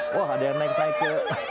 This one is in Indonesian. wah ada yang naik naik ke